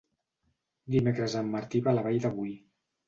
Dimecres en Martí va a la Vall de Boí.